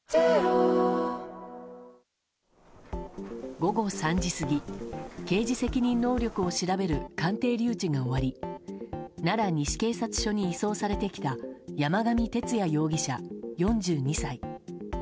午後３時過ぎ、刑事責任能力を調べる鑑定留置が終わり奈良西警察署に移送されてきた山上徹也容疑者、４２歳。